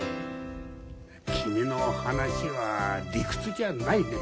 君の話は理屈じゃないね。